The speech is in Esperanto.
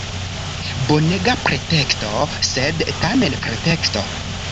Bonega preteksto — sed tamen preteksto.